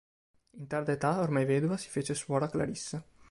In tarda età, ormai vedova, si fece suora clarissa.